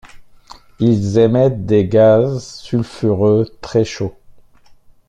Ils émettent des gaz sulfureux très chauds.